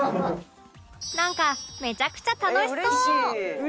なんかめちゃくちゃ楽しそう！